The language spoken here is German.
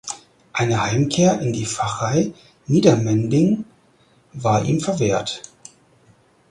Eine Heimkehr in die Pfarrei Niedermendig war ihm verwehrt.